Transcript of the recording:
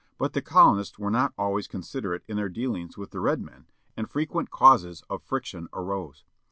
But the colonists were not always considerate in their dealings with the red men, and frequent causes of friction arose.